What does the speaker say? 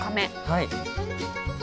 はい。